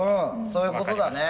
そういうことだね。